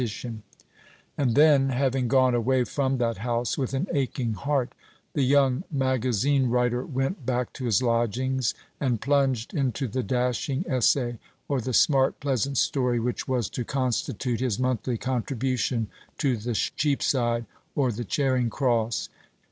And then, having gone away from that house with an aching heart, the young magazine writer went back to his lodgings, and plunged into the dashing essay or the smart pleasant story which was to constitute his monthly contribution to the Cheapside or the Charing Cross.